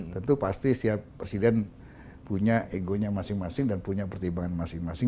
tentu pasti setiap presiden punya egonya masing masing dan punya pertimbangan masing masing